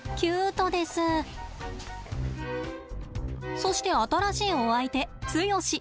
そして新しいお相手ツヨシ。